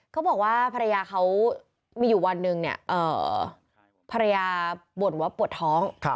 เขาบอกว่าภรรยาเขามีอยู่วันหนึ่งเนี่ยภรรยาบ่นว่าปวดท้อง